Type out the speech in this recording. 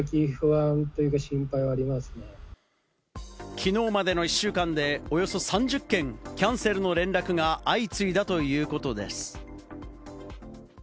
きのうまでの１週間でおよそ３０件、キャンセルの連絡が相次いだということです。